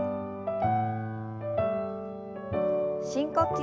深呼吸。